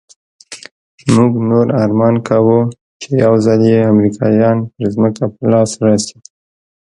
موږ نو ارمان کاوه چې يو ځل دې امريکايان پر ځمکه په لاس راسي.